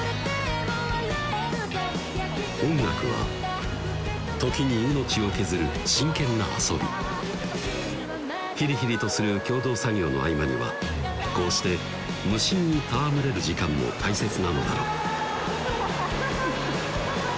音楽は時に命を削る真剣な遊びヒリヒリとする共同作業の合間にはこうして無心に戯れる時間も大切なのだろう